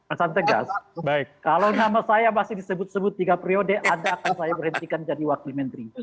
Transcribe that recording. pesan tegas kalau nama saya masih disebut sebut tiga periode anda akan saya berhentikan jadi wakil menteri